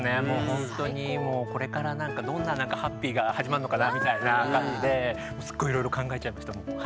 ほんとにもうこれからどんなハッピーが始まんのかなみたいな感じですっごいいろいろ考えちゃいました。